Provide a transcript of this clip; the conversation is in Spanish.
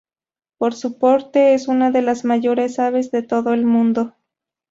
Por su porte es una de las mayores aves de todo el mundo.